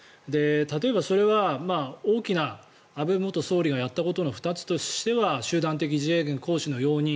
例えば、それは大きな安倍元総理がやったことの２つとしては集団的自衛権行使の容認。